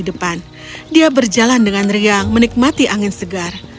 dia berjalan dengan riang menikmati angin segar